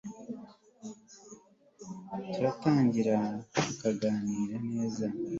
turatangira turaganira neza